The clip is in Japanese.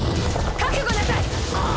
覚悟なさい！